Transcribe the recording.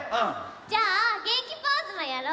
じゃあげんきポーズもやろう！